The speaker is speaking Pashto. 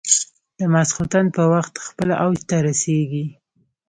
د ماخوستن په وخت خپل اوج ته رسېږي.